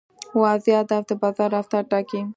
واضح هدف د بازار رفتار ټاکي.